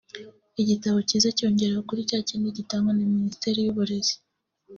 igitabo kiza kiyongera kuri cya kindi gitangwa na Minisiteri y’Uburezi